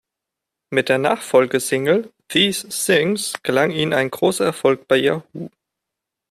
Mit der Nachfolgesingle „These Things“ gelang ihnen ein großer Erfolg bei Yahoo!